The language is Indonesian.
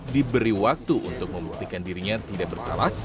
diberi waktu untuk membuktikan dirinya tidak bersalah